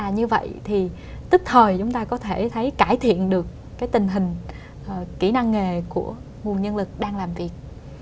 như vậy thì tức thời chúng ta có thể thấy cải thiện được tình hình kỹ năng nghề của nguồn nhân lực đang làm việc